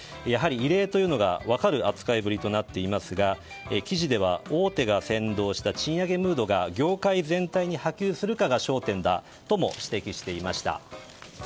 やはり異例というのが分かる扱いぶりとなっていますが記事では、大手が先導した賃上げムードが業界全体に波及するかが焦点だとも指摘していました。